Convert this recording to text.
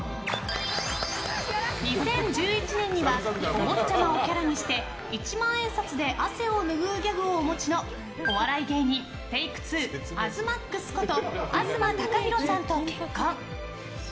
２０１１年にはお坊ちゃまをキャラにして一万円札で汗を拭うギャグをお持ちのお笑い芸人Ｔａｋｅ２東ＭＡＸこと東貴博さんと結婚。